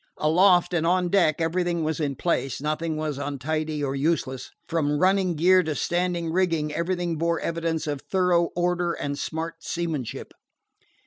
Aloft and on deck everything was in place nothing was untidy or useless. From running gear to standing rigging, everything bore evidence of thorough order and smart seamanship.